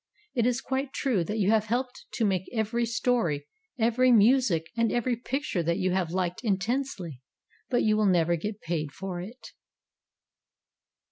It is quite true that you have helped to make every story, every music, and every picture that you have liked intensely ; but you will never get paid for it.